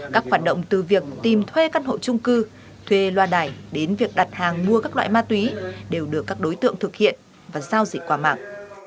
các hoạt động từ việc tìm thuê căn hộ trung cư thuê loa đài đến việc đặt hàng mua các loại ma túy đều được các đối tượng thực hiện và giao dịch qua mạng